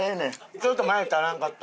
ちょっとマヨ足らんかった。